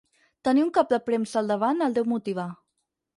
Tenir un cap de premsa al davant el deu motivar.